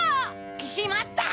しまった！